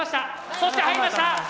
そして入りました！